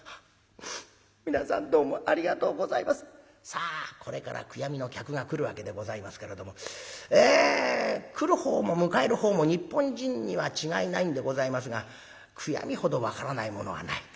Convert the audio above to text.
さあこれから悔やみの客が来るわけでございますけれどもえ来るほうも迎えるほうも日本人には違いないんでございますが悔やみほど分からないものはない。